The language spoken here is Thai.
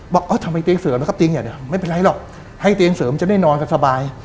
ทำไมเตียงเสริมนะครับเตียงใหญ่เนี่ยไม่เป็นไรหรอกให้เตียงเสริมจะได้นอนกันสบาย